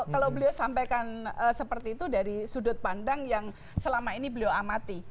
kalau beliau sampaikan seperti itu dari sudut pandang yang selama ini beliau amati